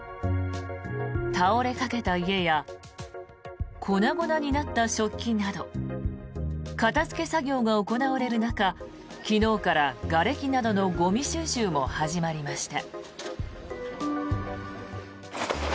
倒れかけた家や粉々になった食器など片付け作業が行われる中昨日からがれきなどのゴミ収集も始まりました。